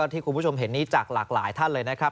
ที่คุณผู้ชมเห็นนี้จากหลากหลายท่านเลยนะครับ